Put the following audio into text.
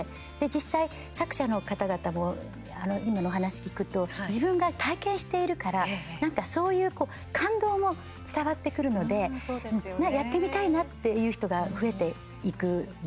実際、作者の方々も今のお話聞くと自分が体験しているからなんかそういう感動も伝わってくるのでやってみたいなっていう人が増えていくでしょうね。